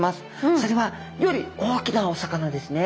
それはより大きなお魚ですね。